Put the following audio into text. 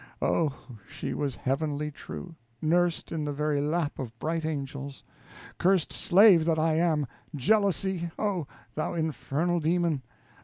Oh, she was heavenly true, nursed in the very lap of bright angels! Cursed slave that I am! Jealousy, oh! thou infernal demon!